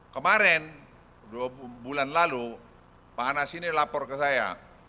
kemarin dua bulan lalu pak anas ini lapor ke saya